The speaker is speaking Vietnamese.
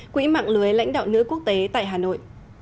quỹ mạng lưới lãnh đạo nữ quốc tế tại hà nội